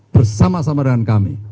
bersama sama dengan kami